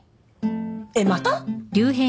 えっまた？